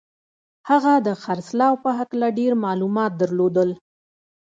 هغه د خرڅلاو په هکله ډېر معلومات درلودل